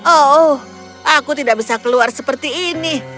oh aku tidak bisa keluar seperti ini